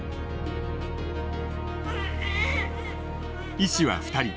医師は２人。